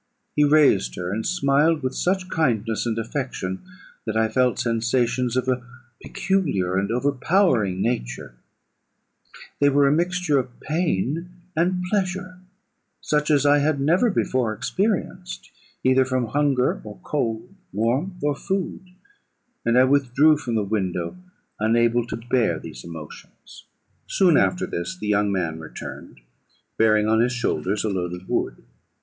He raised her, and smiled with such kindness and affection, that I felt sensations of a peculiar and overpowering nature: they were a mixture of pain and pleasure, such as I had never before experienced, either from hunger or cold, warmth or food; and I withdrew from the window, unable to bear these emotions. "Soon after this the young man returned, bearing on his shoulders a load of wood.